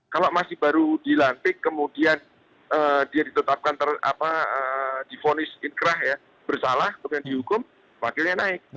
kalau masih baru dilantik kemudian dia ditetapkan difonis inkrah ya bersalah kemudian dihukum wakilnya naik